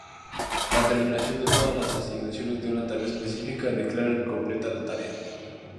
La terminación de todas las asignaciones de una tarea específica declaran completa la tarea.